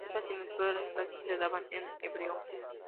En esta asignatura las clases se daban en hebreo.